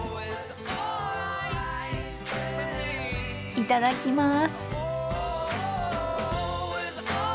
いただきます。